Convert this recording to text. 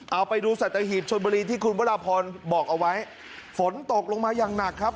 เอาไปดูสัตหีบชนบุรีที่คุณพระราพรบอกเอาไว้ฝนตกลงมาอย่างหนักครับ